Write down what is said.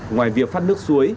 ngoài việc phát nước suối